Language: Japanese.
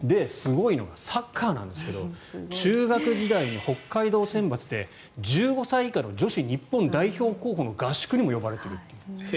すごいのがサッカーなんですけど中学時代に北海道選抜で１５歳以下の女子日本代表候補の合宿にも呼ばれている。